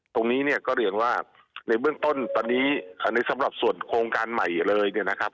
ตรงนี้เนี่ยก็เรียนว่าในเบื้องต้นตอนนี้ในสำหรับส่วนโครงการใหม่เลยเนี่ยนะครับ